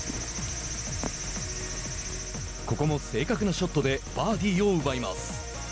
ここも正確なショットでバーディーを奪います。